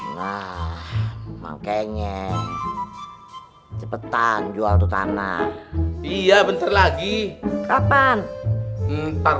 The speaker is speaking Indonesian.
nah makanya cepetan jual tanah iya bentar lagi kapan iktar